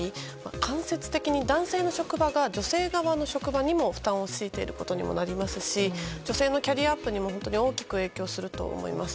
間接的に男性の職場が女性側の職場にも負担を強いていることにもなりますし女性のキャリアアップにも大きく影響すると思います。